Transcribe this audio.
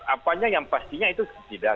apanya yang pastinya itu tidak